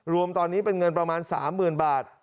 รวมตอนนี้เป็นเงินประมาณ๓๐๐๐บาท